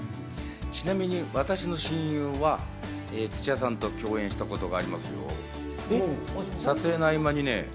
ちなみに私の親友は土屋さんと共演したことがありますけれど。